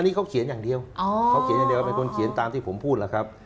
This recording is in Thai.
อันนี้เขาเขียนอย่างเดียวเป็นคนเขียนตามที่ผมพูดแหละครับ